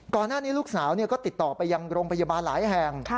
ก่อนหน้านี้ลูกสาวก็ติดต่อไปยังโรงพยาบาลหลายแห่ง